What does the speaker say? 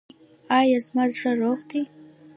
ایا زما زړه روغ دی؟